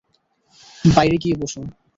বাইরে গিয়ে বসুন।